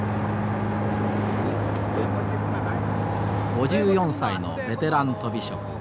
５４歳のベテランとび職五十里さん。